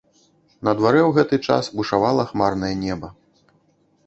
На дварэ ў гэты час бушавала хмарнае неба.